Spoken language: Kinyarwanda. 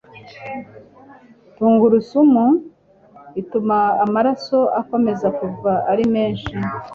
tungurusumu ituma amaraso akomeza kuva ari menshi